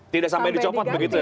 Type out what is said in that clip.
tidak sampai dicopot begitu ya